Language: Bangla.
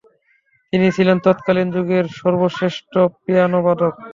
তিনি ছিলেন তৎকালীন যুগের সর্বশ্রেষ্ঠ পিয়ানো বাদক।